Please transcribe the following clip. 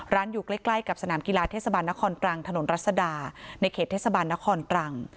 อยู่ใกล้กับสนามกีฬาเทศบาลนครตรังถนนรัศดาในเขตเทศบาลนครตรัง